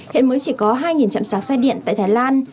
hiện mới chỉ có hai chạm sạc xe điện tại thái lan